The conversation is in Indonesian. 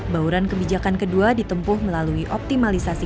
bauran kebijakan kedua ditempuh melalui optimalisasi